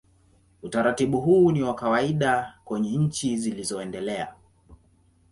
Utaratibu huu ni wa kawaida kwenye nchi zilizoendelea.